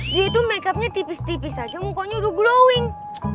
dia tuh makeupnya tipis tipis aja mukanya udah glowing